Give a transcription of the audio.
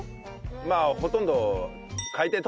まあほとんど。